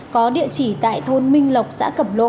có địa chỉ tại thôn minh lộc xã cẩm lộ